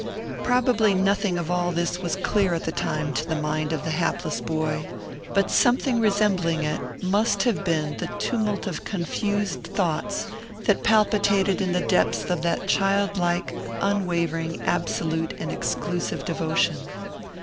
Probably nothing of all this was clear at the time to the mind of the hapless boy, but something resembling it must have been the tumult of confused thoughts that palpitated in the depths of that childlike, unwavering, absolute, and exclusive devotion.